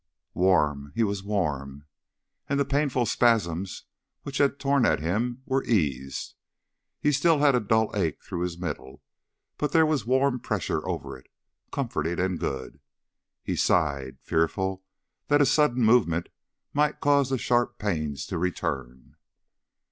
Warm ... he was warm. And the painful spasms which had torn at him were eased. He still had a dull ache through his middle, but there was warm pressure over it, comforting and good. He sighed, fearful that a sudden movement might cause the sharp pains to return.